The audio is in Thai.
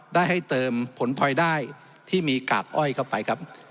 ได้ให้เติมผลพลอยได้ที่มีกากอ้อยเข้าไปครับ